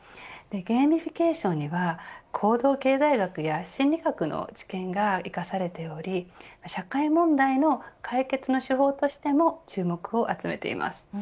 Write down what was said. ゲーミフィケーションには行動経済学や心理学の知見が生かされており、社会問題の解決の手法としても注目を集めています。